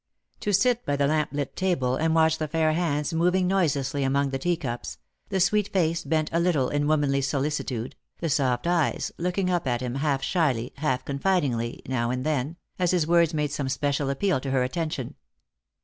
To sit by the lamp lit table and watch the fair hands moving noiselessly among the teacups, the sweet face bent a little in womanly solicitude, the soft eyes looking up at him half shyly, half confidingly, now and then, as his words made some special appeal to her attention.